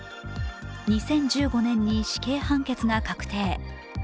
２０１５年に死刑判決が確定。